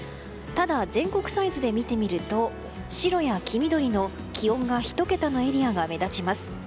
ただ、全国サイズで見てみると白や黄緑の気温が１桁のエリアが目立ちます。